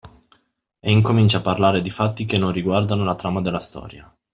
E incomincia a parlare di fatti che non riguardano la trama della storia.